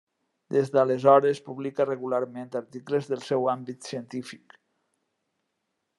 Des d'aleshores publica regularment articles del seu àmbit científic.